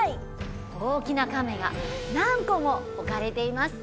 大きな甕が何個も置かれています